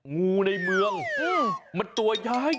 งูในเมืองมันตัวย้าย